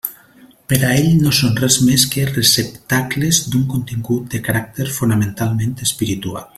Per a ell no són res més que receptacles d'un contingut de caràcter fonamentalment espiritual.